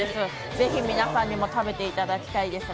ぜひ皆さんにも食べていただきたいですね。